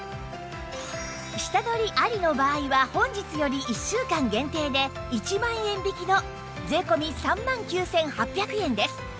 下取りありの場合は本日より１週間限定で１万円引きの税込３万９８００円です